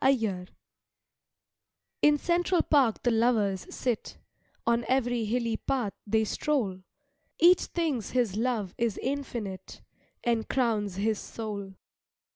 SPRING IN Central Park the lovers sit, On every hilly path they stroll, Each thinks his love is infinite, And crowns his soul.